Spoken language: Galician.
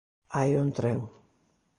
Hai un tren.